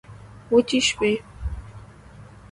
وچي شوې